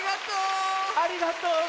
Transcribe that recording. ありがとうね。